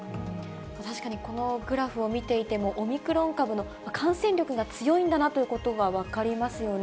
確かにこのグラフを見ていても、オミクロン株の感染力が強いんだなということが分かりますよね。